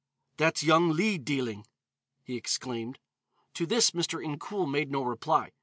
"That's young Leigh dealing," he exclaimed. To this Mr. Incoul made no reply.